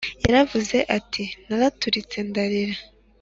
Yaravuze ati naraturitse ndarira